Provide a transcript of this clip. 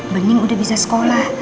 bening udah bisa sekolah